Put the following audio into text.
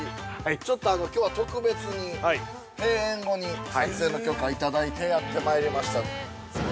ちょっと、きょうは特別に閉園後に撮影の許可いただいてやってまいりました。